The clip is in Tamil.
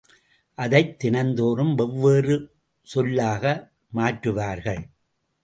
அதைத் தினந்தோறும் வெவ்வேறு சொல்லாக மாற்றுவார்கள்.